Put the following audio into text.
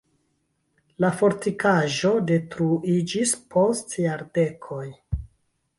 La fortikaĵo detruiĝis post jardekoj.